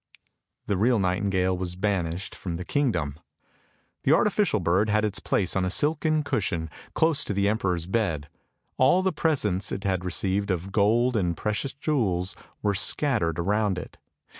The real nightingale was banished from the kingdom. The artificial bird had its place on a silken cushion, close to the emperor's bed: all the presents it had received of gold and precious jewels were scattered round it.